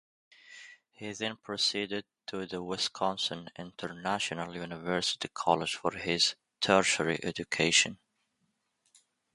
He then proceeded to the Wisconsin International University College for his tertiary education.